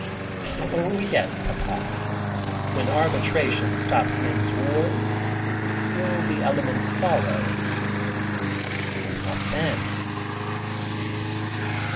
"Oh, yes, papa; when arbitration stops men's wars, will the elements follow, and what then?"